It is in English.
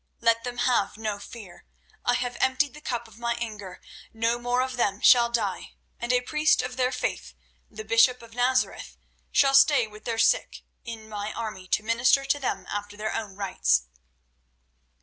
Let them have no fear; I have emptied the cup of my anger; no more of them shall die, and a priest of their faith, the bishop of Nazareth, shall stay with their sick in my army to minister to them after their own rites."